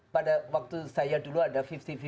pada waktu saya dulu ada lima puluh lima